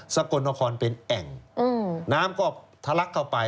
กลนครเป็นแอ่งน้ำก็ทะลักเข้าไป